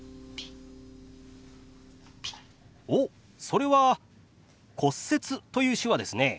おっそれは「骨折」という手話ですね。